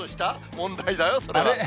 問題だよ、それ。